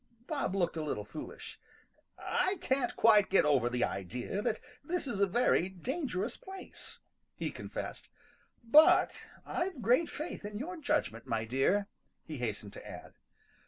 Bob looked a little foolish. "I can't quite get over the idea that this is a very dangerous place," he confessed. "But I've great faith in your judgment, my dear," he hastened to add.